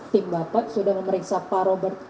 tim bapak sudah memeriksa pak robert